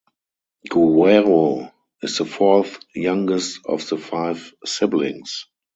Guerrero is the fourth youngest of the five siblings.